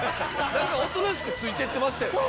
何かおとなしくついてってましたよね。